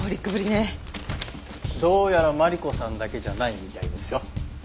どうやらマリコさんだけじゃないみたいですよ。